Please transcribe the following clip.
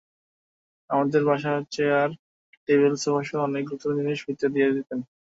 আমাদের বাসার chair, table, সোফাসহ অনেক গুরুত্বপূর্ণ জিনিস ফ্রিতে দিয়ে যেতেন।